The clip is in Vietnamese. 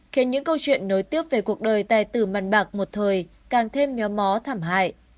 khiến những câu chuyện nối tiếp về cuộc đời tài tử mèn bạc một thời càng thêm méo mó thảm hại